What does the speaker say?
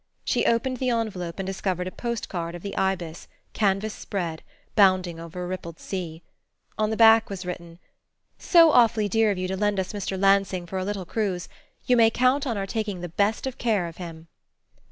She opened the envelope and discovered a post card of the Ibis, canvas spread, bounding over a rippled sea. On the back was written: "So awfully dear of you to lend us Mr. Lansing for a little cruise. You may count on our taking the best of care of him.